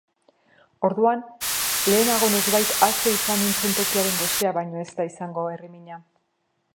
Orduan lehenago noizbait ase izan nintzen tokiaren gosea baino ez da izango herrimina.